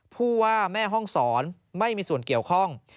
ผู้ว่าแม่ห้องศรไม่มีส่วนเกี่ยวข้อง